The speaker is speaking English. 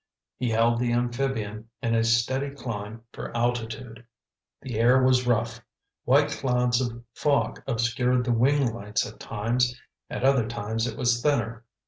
He held the amphibian in a steady climb for altitude. The air was rough. White clouds of fog obscured the wing lights at times. At other times it was thinner.